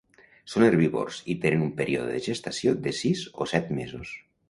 Són herbívors i tenen un període de gestació de sis o set mesos.